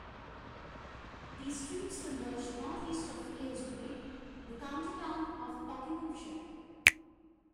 These streams converge north-east of Aylesbury, the county town of Buckinghamshire.